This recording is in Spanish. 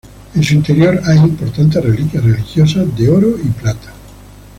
En su interior hay importantes reliquias religiosas de oro y plata.